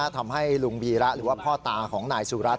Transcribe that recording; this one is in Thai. ทำให้ลุงวีระหรือว่าพ่อตาของนายสุรัตน